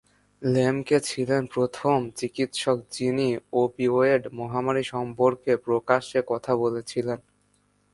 লেমকে ছিলেন প্রথম চিকিৎসক যিনি ওপিওয়েড মহামারী সম্পর্কে প্রকাশ্যে কথা বলেছিলেন।